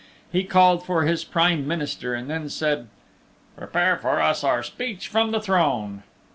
He called for his Prime Minister then and said, "Prepare for Us our Speech from the Throne."